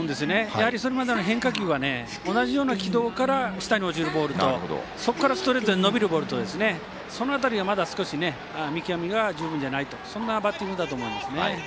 やはりそれまでの変化球は同じような軌道から下に落ちるボールと伸びるボールとその辺りがまだ少し見極めが十分じゃないというバッティングだと思います。